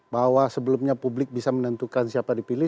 bahwa sebelumnya publik bisa menentukan siapa dipilih